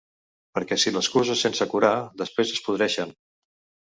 Perquè si les cuses sense curar, després es podreixen.